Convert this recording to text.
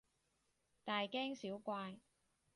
大驚小怪